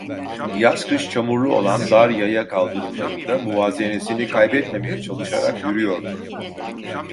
Yaz kış çamurlu olan dar yaya kaldırımlarında muvazenesini kaybetmemeye çalışarak yürüyordu.